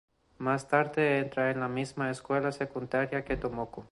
Más tarde entra en la misma escuela secundaria que Tomoko.